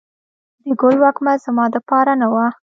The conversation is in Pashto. د ګل وږمه زما دپار نه وه